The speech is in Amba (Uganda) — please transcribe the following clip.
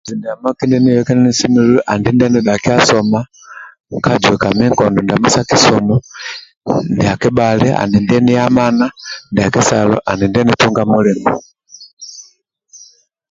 Kindia nieyokia nini semelelu ali ndie ni dhakia kisomo kajuekami nkondo ndiamo sa kisomo ndia kebhali ali ndie ni amana ndia kesalo ali ndie nitunga mulimo